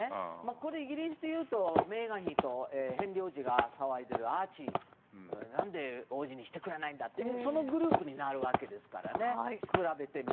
これ、イギリスでいうとメーガン妃とヘンリー王子が騒いでいるアーチーなんで王子にしてくれないんだとそのグループになるわけですからね。